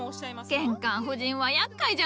玄関夫人はやっかいじゃのう。